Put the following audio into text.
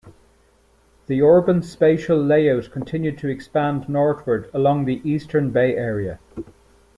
The urban spatial layout continued to expand northward along the eastern bay area.